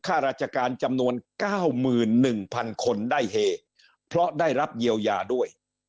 ข้าราชการจำนวน๙๑๐๐๐คนได้เฮเพราะได้รับเยียวยาด้วย